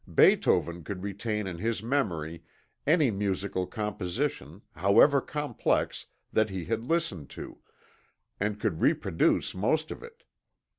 Beethoven could retain in his memory any musical composition, however complex, that he had listened to, and could reproduce most of it.